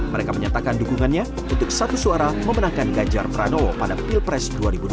mereka menyatakan dukungannya untuk satu suara memenangkan ganjar pranowo pada pilpres dua ribu dua puluh